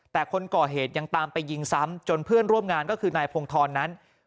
แต่คนก่อเหตุยังตามไปยิงซ้ำจนเพื่อนร่วมงานก็คือนายพงธรนั้น